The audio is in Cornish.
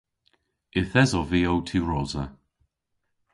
Yth esov vy ow tiwrosa.